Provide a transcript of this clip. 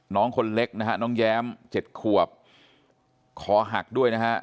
น้องคนเล็กนะฮะน้องแย้ม๗ขวบคอหักด้วยนะฮะ